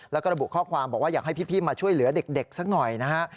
แล้วก็ระบุข้อความบอกว่าอยากให้พี่มาช่วยเหลือเด็กสักหน่อยนะฮะ